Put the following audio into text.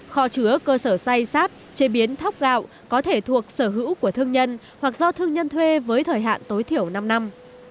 kho chứa cơ sở say sát chế biến thóc gạo có thể thuộc sở hữu của thương nhân hoặc do thương nhân thuê với thời hạn tối thiểu năm năm